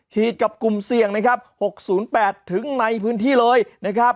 กับกลุ่มเสี่ยงนะครับ๖๐๘ถึงในพื้นที่เลยนะครับ